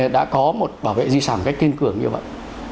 đã có một bảo vệ di sản một cách kiên cường như vậy